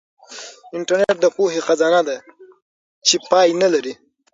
انټرنیټ د پوهې خزانه ده چې پای نه لري.